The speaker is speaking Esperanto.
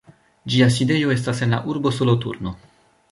Ĝia sidejo estas en la urbo Soloturno.